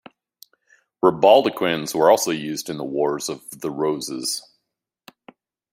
Ribauldequins were also used in the Wars of the Roses.